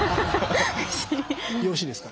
よろしいですか？